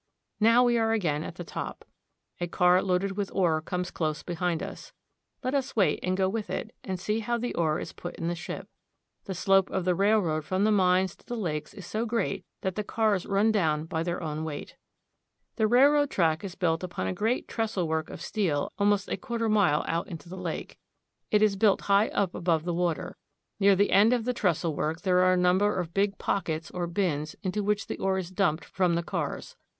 Now we are again at the top. A car loaded with ore comes close behind us. Let us wait and go with it, and see how the ore is put in the ship. The slope of the rail road from the mines to the lakes is so great that the cars run down by their own weight. The railroad track is built upon a great trestlework of steel almost a quarter of a mile out into the lake. It is 1 82 THE GREAT LAKES. built high up above the water. Near the end of the trestle work there are a number of big pockets, or bins, into which the ore is dumped from the cars.